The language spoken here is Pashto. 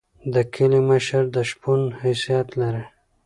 د کلی مشر د شپون حیثیت لري.